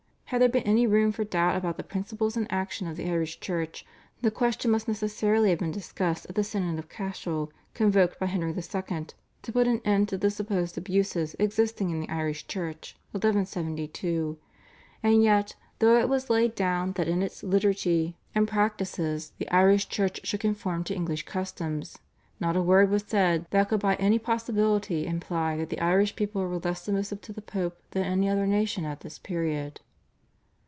Had there been any room for doubt about the principles and action of the Irish Church the question must necessarily have been discussed at the Synod of Cashel convoked by Henry II. to put an end to the supposed abuses existing in the Irish Church (1172), and yet, though it was laid down that in its liturgy and practices the Irish Church should conform to English customs, not a word was said that could by any possibility imply that the Irish people were less submissive to the Pope than any other nation at this period.